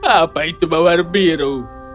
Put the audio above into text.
apa itu mawar biru